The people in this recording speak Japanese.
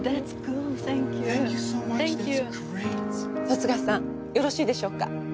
十津川さんよろしいでしょうか？